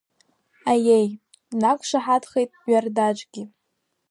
Аиеи, днақәшаҳаҭхеит Ҩардаџгьы.